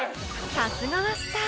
［さすがはスター！